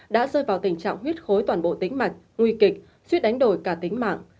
đã rơi vào tình trạng huyết khối toàn bộ tính mạch nguy kịch suýt đánh đổi cả tính mạng